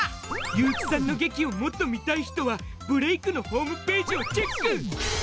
悠木さんの劇をもっと見たい人は「ブレイクッ！」のホームページをチェック！